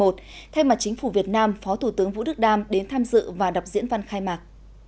thay mặt chính phủ việt nam phó thủ tướng vũ đức đam đến tham dự và đọc diễn văn khai mạc